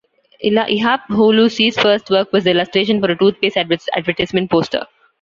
Ihap Hulusi's first work was the illustration for a toothpaste advertisement poster.